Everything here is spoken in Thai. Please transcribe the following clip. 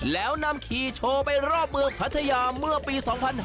แล้วนำขี่โชว์ไปรอบเมืองพัทยาเมื่อปี๒๕๕๙